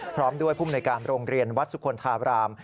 พร้อมด้วยผู้มนุยการโรงเรียนวัดสุคลธาบราม